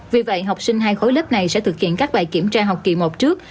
vì vậy học sinh hai khối lớp này sẽ thực hiện các bài kiểm tra học kỳ một trước